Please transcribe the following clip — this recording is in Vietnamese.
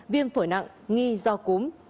viêm phổi nặng nghi do cúm